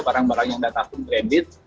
barang barang yang datang pun kredit